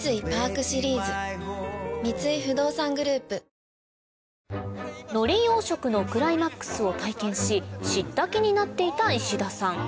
するとのり養殖のクライマックスを体験し知った気になっていた石田さん